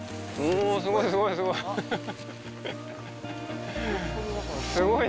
すごいすごい。